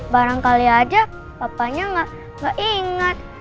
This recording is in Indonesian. barangkali aja bapaknya gak inget